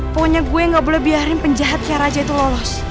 pokoknya gue gak boleh biarin penjahat kaya raja itu lolos